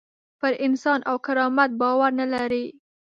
پر انسان او کرامت باور نه لري.